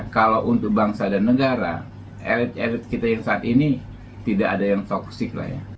kalau untuk bangsa dan negara elit elit kita yang saat ini tidak ada yang toxic lah ya